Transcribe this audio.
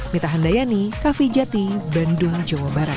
mita handayani kavijati bandung jawa barat